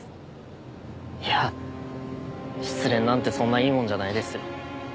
いや失恋なんてそんないいもんじゃないですよ。